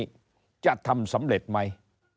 แห่งนี้จะทำสำเร็จไหม